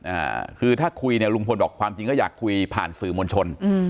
อ่าคือถ้าคุยเนี่ยลุงพลบอกความจริงก็อยากคุยผ่านสื่อมวลชนอืม